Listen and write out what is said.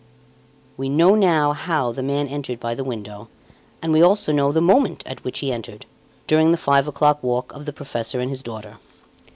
We know now how the man entered by the window, and we also know the moment at which he entered, during the five o'clock walk of the professor and his daughter.